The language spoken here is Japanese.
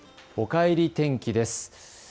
おかえり天気です。